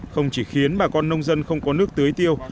không chỉ khiến bà con nông dân không có nước tưới tiêu